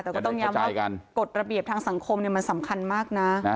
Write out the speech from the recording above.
แต่ก็ต้องย้ำว่ากฎระเบียบทางสังคมมันสำคัญมากนะ